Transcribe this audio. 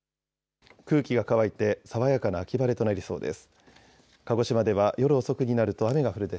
空気が乾いて爽やかな秋晴れとなりそうです。